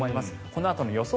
このあとの予想